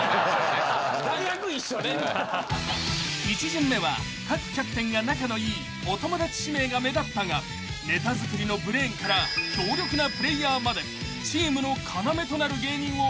［１巡目は各キャプテンが仲のいいお友達指名が目立ったがネタ作りのブレーンから強力なプレーヤーまで］